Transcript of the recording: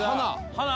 はな。